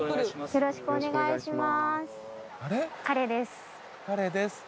よろしくお願いします。